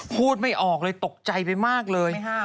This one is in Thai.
พูดไม่ออกเลยตกใจไปมากเลย